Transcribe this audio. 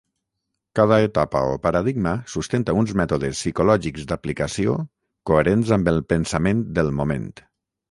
Cada etapa o paradigma sustenta uns mètodes psicològics d’aplicació coherents amb el pensament del moment.